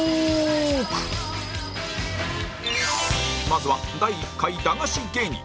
まずは第１回駄菓子芸人